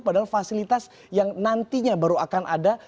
padahal fasilitas yang nantinya baru akan ada